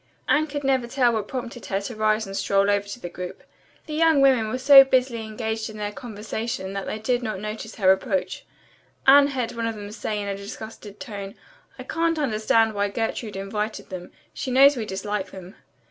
Anne could never tell what prompted her to rise and stroll over to the group. The young women were so busily engaged in their conversation that they did not notice her approach. Anne heard one of them say in a disgusted tone, "I can't understand why Gertrude invited them. She knows we dislike them."